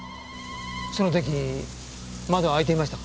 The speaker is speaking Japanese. その時窓は開いていましたか？